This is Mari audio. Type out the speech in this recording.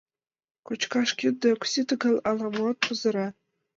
Кочкаш кинде ок сите гын, ала-моат пызыра.